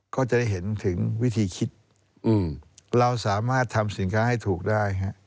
ก็จะได้เห็นถึงวิธีคิดเราสามารถทำสินค้าให้ถูกได้